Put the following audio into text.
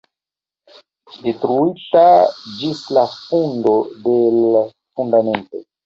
Detruita ĝis la fundo de l' fundamento.